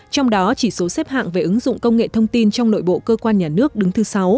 trong đó chỉ số xếp hạng về ứng dụng công nghệ thông tin trong nội bộ cơ quan nhà nước đứng thứ sáu